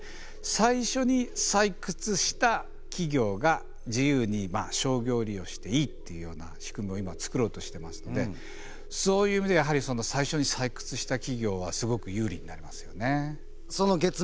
最初に採掘した企業が自由に商業利用していいっていうような仕組みを今作ろうとしてますのでそういう意味ではやはり最初に採掘した企業はすごく有利になりますよね。